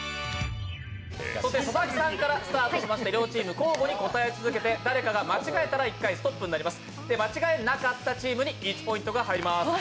佐々木さんからスタートしまして両チーム、交互に答え続けて誰かが間違えたら１回ストップとなります。